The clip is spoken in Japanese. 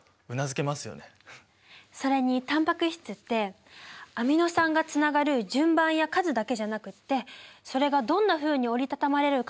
それにタンパク質ってアミノ酸がつながる順番や数だけじゃなくてそれがどんなふうに折り畳まれるかも重要なの。